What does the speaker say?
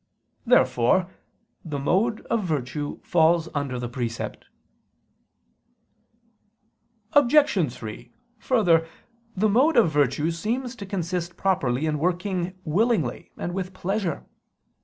Therefore the mode of virtue falls under the precept. Obj. 3: Further, the mode of virtue seems to consist properly in working willingly and with pleasure.